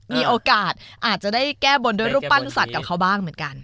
มีโอกาสอาจจะได้แก้บนด้วยรูปปั้นสัตว์กับเขาบ้างเหมือนกัน